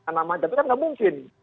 namanya itu kan tidak mungkin